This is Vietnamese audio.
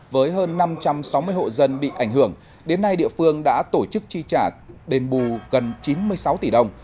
với hơn năm trăm sáu mươi hộ dân bị ảnh hưởng đến nay địa phương đã tổ chức chi trả đền bù gần chín mươi sáu tỷ đồng